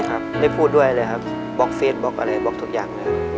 ครับไม่พูดด้วยเลยครับบล็อกเฟสบล็อกอะไรบล็อกทุกอย่างเลยครับ